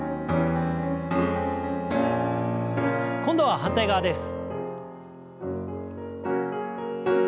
今度は反対側です。